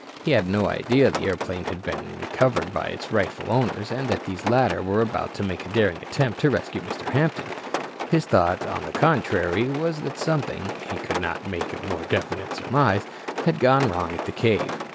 He had no idea the airplane had been recovered by its rightful owners and that these latter were about to make a daring attempt to rescue Mr. Hampton. His thought on the contrary, was that something he could not make a more definite surmise had gone wrong at the cave.